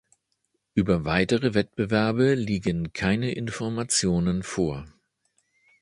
Über weitere Wettbewerbe liegen keine Informationen vor.